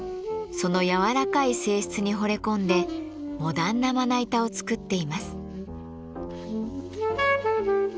その軟らかい性質にほれ込んでモダンなまな板を作っています。